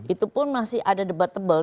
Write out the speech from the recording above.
itu pun masih ada debat tebal